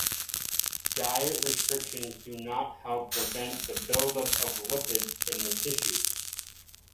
Diet restrictions do not help prevent the buildup of lipids in the tissues.